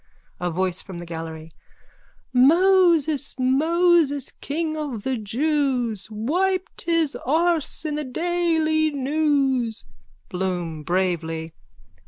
A VOICE FROM THE GALLERY: Moses, Moses, king of the jews, Wiped his arse in the Daily News. BLOOM: _(Bravely.)